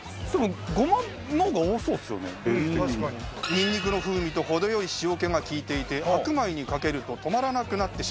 にんにくの風味と程よい塩気が利いていて白米にかけると止まらなくなってしまう